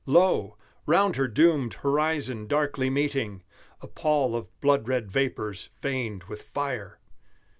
round her doomed horizon darkly meeting, A pall of blood red vapors veined with fire!